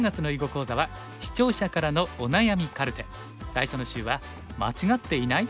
最初の週は「間違っていない？